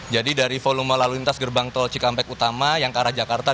jadi dari volume lalu lintas gerbang tol cikampek utama yang ke arah jakarta